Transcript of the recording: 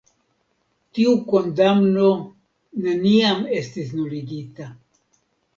Tiu kondamno neniam estis nuligita.